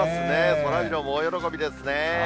そらジローも大喜びですね。